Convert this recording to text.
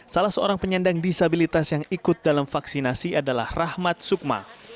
salah seorang penyandang disabilitas yang ikut dalam vaksinasi adalah rahmat sukma